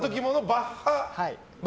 バッハ感。